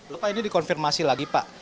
lupa ini dikonfirmasi lagi pak